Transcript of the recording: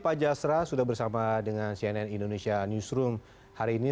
pak jasra sudah bersama dengan cnn indonesia newsroom hari ini